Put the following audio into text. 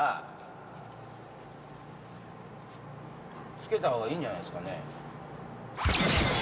つけた方がいいんじゃないですかね。